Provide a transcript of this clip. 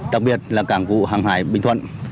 đặc biệt là cảng vụ hàng hải bình thuận